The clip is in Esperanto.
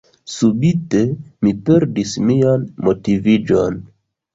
Subite, mi perdis mian motiviĝon.